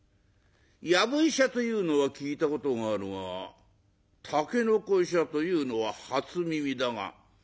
『やぶ医者』というのは聞いたことがあるが『たけのこ医者』というのは初耳だが」。